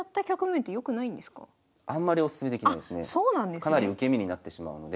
かなり受け身になってしまうので。